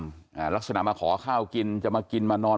อ่าลักษณะมาขอข้าวกินจะมากินมานอน